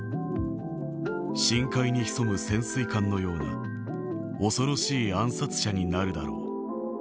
深海に潜む潜水艦のように、恐ろしい暗殺者になるだろう。